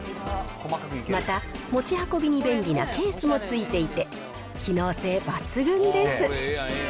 また、持ち運びに便利なケースもついていて、機能性抜群です。